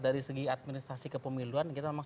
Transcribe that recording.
dari segi administrasi kepemiluan kita memang